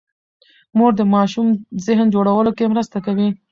مور د ماشوم ذهن جوړولو کې مرسته کوي.